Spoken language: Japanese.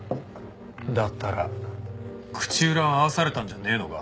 だったら口裏を合わされたんじゃねえのか？